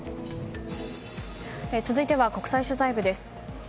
続いては国際取材部です。